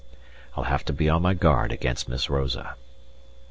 I'll have to be on my guard against Miss Rosa.